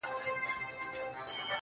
پاڅه چي ځو ترې ، ه ياره_